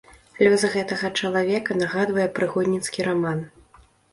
Лёс гэтага чалавека нагадвае прыгодніцкі раман.